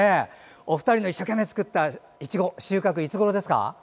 お二人が一生懸命作ったいちごの収穫はいつごろですか？